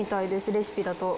レシピだと。